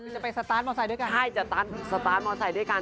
จะไปสตาร์ทมอเตอร์ไซค์ด้วยกันใช่จะสตาร์ทมอเตอร์ไซค์ด้วยกัน